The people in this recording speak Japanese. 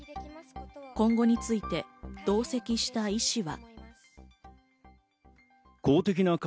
今後について同席した医師は。